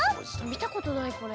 みたことないこれ！